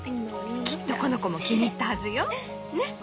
きっとこの子も気に入ったはずよ。ね？